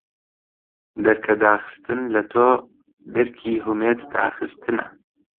دەرکەداخستن لە تۆ دەرکی هومێد داخستنە